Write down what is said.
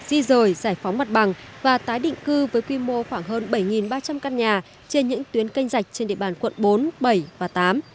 di rời giải phóng mặt bằng và tái định cư với quy mô khoảng hơn bảy ba trăm linh căn nhà trên những tuyến canh rạch trên địa bàn quận bốn bảy và tám